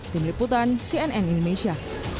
demi putan cnn indonesia